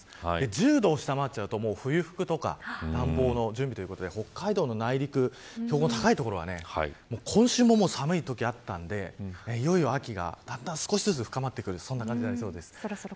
１０度を下回ると、冬服とか暖房の準備ということで北海道の内陸標高の高い所は今週も寒いときあったんでいよいよ秋が、だんだん少しずつ深まってきそうです。